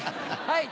はい。